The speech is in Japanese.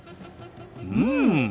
うん。